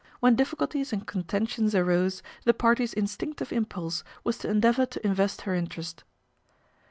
When difficulties and contentions arose, the parties' instinctive impulse was to endeavour to invest her interest.